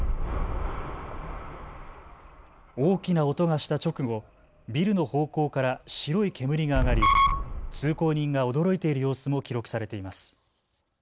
大きな音がした直後、ビルの方向から白い煙が上がり通行人が驚いている様子も記録されています。